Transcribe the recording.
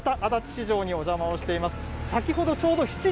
北足立市場にお邪魔しています。